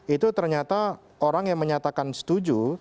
itu ternyata orang yang menyatakan setuju